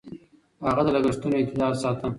هغه د لګښتونو اعتدال ساته.